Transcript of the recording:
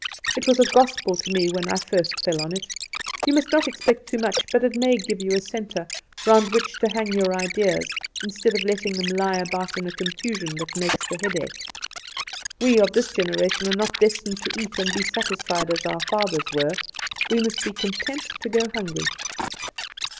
"It was a gospel to me when I first fell on it. You must not expect too much; but it may give you a centre round which to hang your ideas, instead of letting them lie about in a confusion that makes the head ache. We of this generation are not destined to eat and be satisfied as our fathers were; we must be content to go hungry."